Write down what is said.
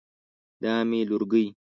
دا مې لورکۍ